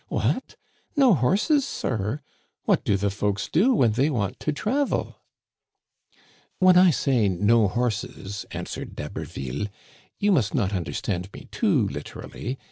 " What ! no horses, sir ? What do the folks do when they want to travel ?" "When I say no horses," answered D'Haberville, " you must not understand me too literally.